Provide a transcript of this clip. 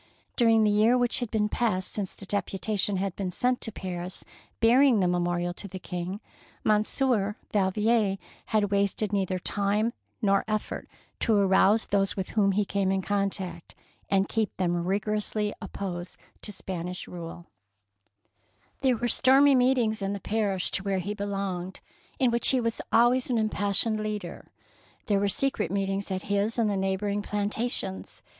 During the year which had passed since the deputation had been sent to Paris bearing the memorial to the King, Monsieur Valvier had wasted neither time nor effort to arouse those with whom he came in contact, and keep them rigorously opposed to Spanish rule. 199 DEEDS OF DAEING There were stormy meetings in the parish to which he belonged, in which he was always an impassioned leader. There were secret meetings at his and the neighbouring plantations.